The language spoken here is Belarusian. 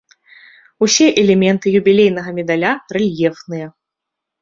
Усе элементы юбілейнага медаля рэльефныя.